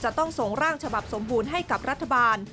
ต้องส่งร่างฉบับสมบูรณ์ให้กับรัฐบาล